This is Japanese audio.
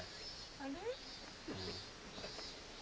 あれ？